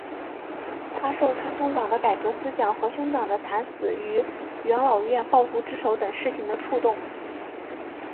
他受他兄长的改革思想和兄长的惨死于元老院暴徒之手等事情的触动。